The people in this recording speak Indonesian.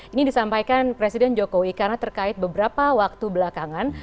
ini disampaikan presiden jokowi karena terkait beberapa waktu belakangan